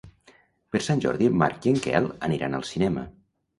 Per Sant Jordi en Marc i en Quel aniran al cinema.